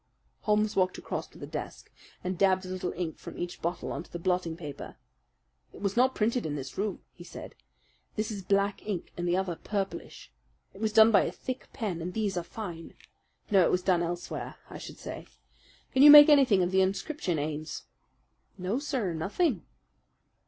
Holmes walked across to the desk and dabbed a little ink from each bottle on to the blotting paper. "It was not printed in this room," he said; "this is black ink and the other purplish. It was done by a thick pen, and these are fine. No, it was done elsewhere, I should say. Can you make anything of the inscription, Ames?" "No, sir, nothing."